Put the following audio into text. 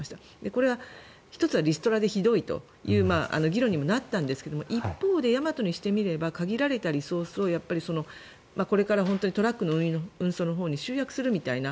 これは１つはリストラでひどいという議論にもなったんですが一方でヤマトにしてみれば限られたリソースをこれからトラックの運送のほうに集約するみたいな。